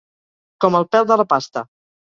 Com el pèl de la pasta.